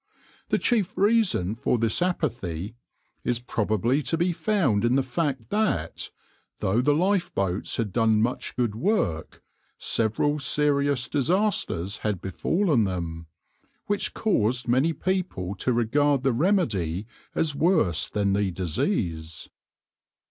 The chief reason for this apathy is probably to be found in the fact that, though the lifeboats had done much good work, several serious disasters had befallen them, which caused many people to regard the remedy as worse than the disease.